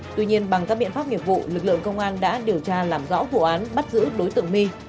tuy nhiên bằng các biện pháp nghiệp vụ lực lượng công an đã điều tra làm rõ vụ án bắt giữ đối tượng my